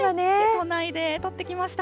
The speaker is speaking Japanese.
都内で撮ってきました。